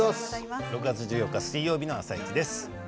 ６月１４日水曜日の「あさイチ」です。